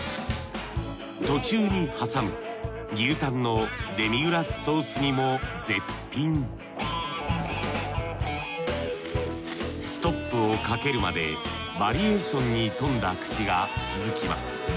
途中にはさむ牛タンのデミグラスソース煮も絶品ストップをかけるまでバリエーションに富んだ串が続きます。